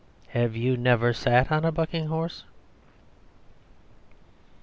Have you never sat on a bucking horse?